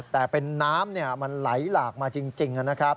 แต่เป็นน้ำมันไหลหลากมาจริงนะครับ